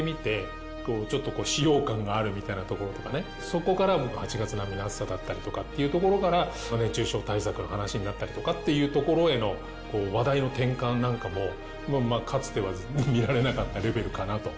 そこから８月並みの暑さだったりとかっていうところから熱中症対策の話になったりとかっていうところへの話題の転換なんかもかつては見られなかったレベルかなと。